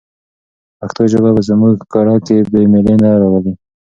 پښتو ژبه په زده کړه کې بې میلي نه راولي.